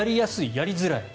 やりづらい？